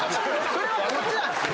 それはこっちなんですよ。